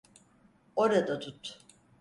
Orada tut.